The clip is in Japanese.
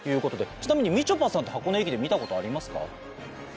ちなみにみちょぱさんって箱根駅伝見たことありますか？